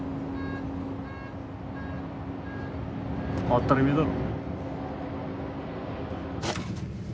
あったりめえだろ。